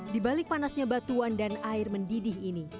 di balik panasnya batuan dan air mendidih ini